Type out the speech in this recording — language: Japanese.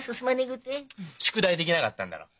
宿題できなかったんだろう？